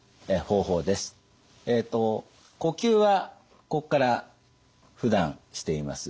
呼吸はここからふだんしています。